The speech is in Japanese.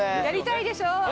やりたいでしょ？